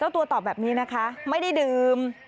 ตัวตอบแบบนี้นะคะไม่ได้ดื่ม